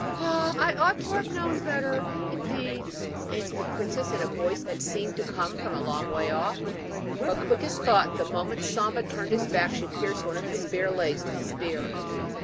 'Ah, I ought to have known better, indeed,' answered the princess, in a voice that seemed to come from a long way off; but, quick as thought, the moment Samba turned his back she pierced one of his bare legs with a spear.